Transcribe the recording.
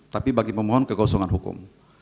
tapi bagi pemohon kekosongan hukum